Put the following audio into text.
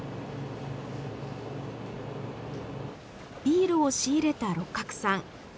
ビールを仕入れた六角さん。